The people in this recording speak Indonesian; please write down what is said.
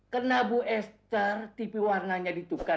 karena bu esther tv warnanya ditukar